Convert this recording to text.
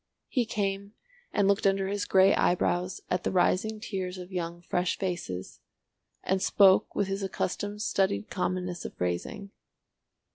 He came and looked under his grey eyebrows at the rising tiers of young fresh faces, and spoke with his accustomed studied commonness of phrasing.